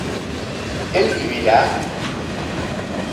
¿él vivirá?